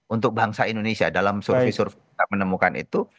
untuk bangsa indonesia dalam survei survei kita menemukan itu